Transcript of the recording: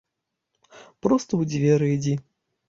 Проста ў дзверы ідзі.